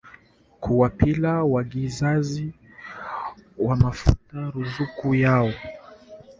kuwalipa waagizaji wa mafuta ruzuku yao